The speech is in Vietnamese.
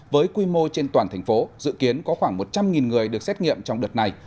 với quy mô trên toàn thành phố dự kiến có khoảng một trăm linh người được xét nghiệm trong đợt này